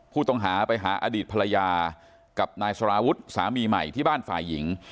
ผู้ต้องหาไปหาอดีตภรรยากับนายสารวุฒิสามีใหม่ที่บ้านฝ่ายหญิง